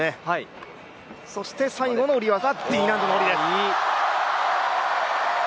最後の下り技、Ｄ難度の下りです。